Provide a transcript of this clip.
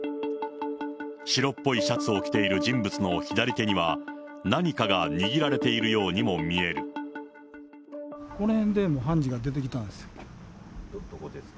白っぽいシャツを着ている人物の左手には何かが握られているようこの辺でもう犯人が出てきたどこですか？